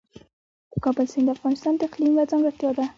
د کابل سیند د افغانستان د اقلیم یوه ځانګړتیا ده.